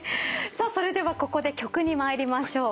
それではここで曲に参りましょう。